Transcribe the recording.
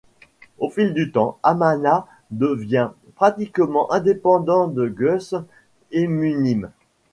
Au fil du temps, Amana devient pratiquement indépendant de Gush Emunim.